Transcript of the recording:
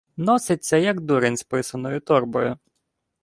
Носиться, як дурень з писаною торбою.